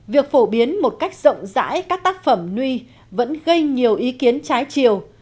việc phổ biến một cách rộng rãi các tác phẩm nuôi vẫn gây nhiều ý kiến trái chiều